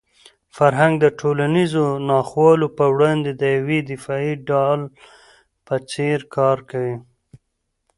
فرهنګ د ټولنیزو ناخوالو په وړاندې د یوې دفاعي ډال په څېر کار کوي.